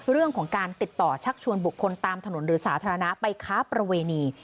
เรื่องของการติดต่อชักชวนบุคคลตามถนนหรือสาธารณะไปค้าประเวณี